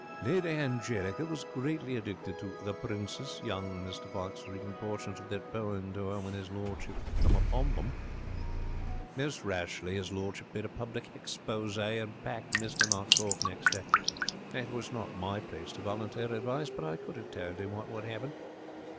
'Lady Angelica was greatly addicted to The Princess. Young Mr Knox was reading portions of that poem to her when his lordship come upon them. Most rashly his lordship made a public hexpose and packed Mr Knox off next day. It was not my place to volunteer advice, but I could have told him what would happen.